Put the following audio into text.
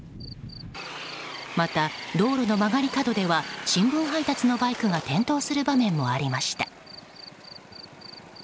また、道路の曲がり角では新聞配達のバイクが転倒する場面もありました。